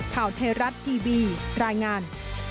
ข่าวเทรัตน์ทีบีรายงาน